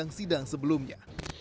kisah kisah dari dapi posora